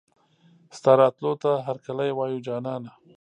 ستا راتلو ته هرکلی وايو جانانه